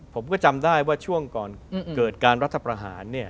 ผมก็จำได้ว่าช่วงก่อนเกิดการรัฐประหาร